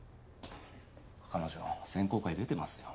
彼女選考会出てますよ。